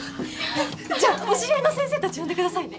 じゃお知り合いの先生たち呼んでくださいね。